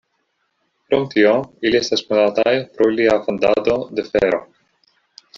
Krom tio ili estas konataj pro ilia fandado de fero.